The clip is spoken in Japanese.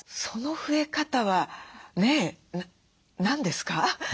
その増え方はね何ですか？